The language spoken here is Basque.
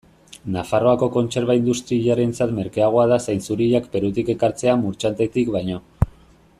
Nafarroako kontserba industriarentzat merkeagoa da zainzuriak Perutik ekartzea Murchantetik baino.